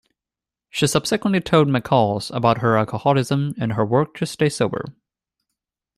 She subsequently told "McCall's" about her alcoholism and her work to stay sober.